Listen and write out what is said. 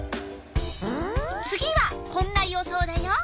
次はこんな予想だよ。